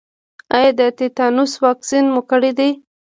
ایا د تیتانوس واکسین مو کړی دی؟